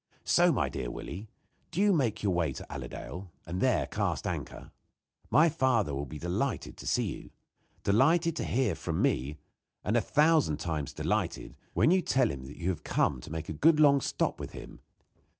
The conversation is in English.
So, my dear Willie, do you make your way to Allerdale, and there cast anchor. My father will be delighted to see you delighted to hear from me and a thousand times delighted when you tell him you have come to make a good long stop with him.